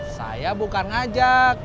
saya bukan ngajak